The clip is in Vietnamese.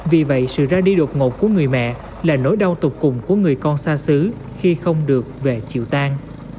vì vậy sự ra đi đột ngột của người mẹ là nỗi đau tục cùng của người con xa xứ khi không được về chiều tan